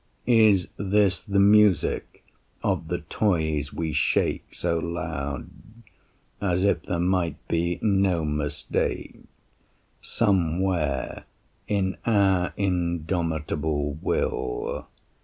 Is this the music of the toys we shake So loud, as if there might be no mistake Somewhere in our indomitable will?